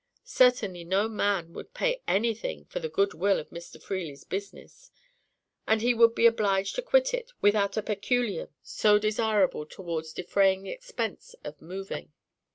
Certainly no man now would pay anything for the "goodwill" of Mr. Freely's business, and he would be obliged to quit it without a peculium so desirable towards defraying the expense of moving.